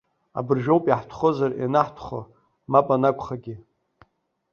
Абыржә ауп иаҳтәхозар ианаҳтәхо, мап анакәхагьы.